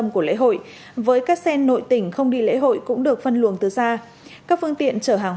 của lễ hội với các xe nội tỉnh không đi lễ hội cũng được phân luồng từ xa các phương tiện chở hàng